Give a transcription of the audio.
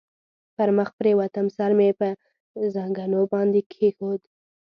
پر مخ پرېوتم، سر مې پر زنګنو باندې کېښود.